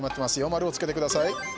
丸をつけてください。